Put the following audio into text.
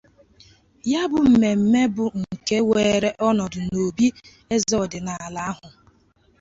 Ya bụ mmemme bụ nke weere ọnọdụ n'obi ezeọdịnala ahụ